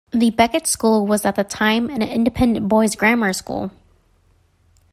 The Becket school was at that time an independent boys' grammar school.